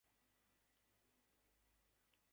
বিনয়ের আত্মবিশ্লেষণশক্তির অভাব নাই।